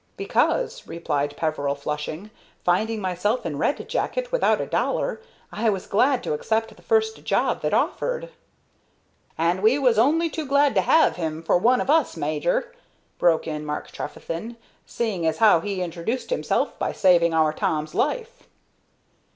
"Because," replied Peveril, flushing, "finding myself in Red Jacket without a dollar, I was glad to accept the first job that offered." "And we was only too glad to have him for one of us, major," broke in Mark Trefethen, "seeing as how he introduced himself by saving our Tom's life."